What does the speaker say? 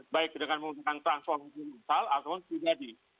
baik dengan menggunakan transformasi universal ataupun free radi